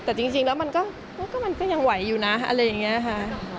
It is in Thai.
แต่จริงแล้วมันก็ยังไหวอยู่นะอะไรอย่างนี้ค่ะ